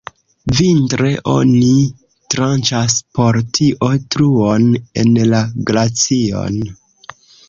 Vintre oni tranĉas por tio truon en la glacion.